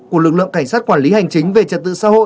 của lực lượng cảnh sát quản lý hành chính về trật tự xã hội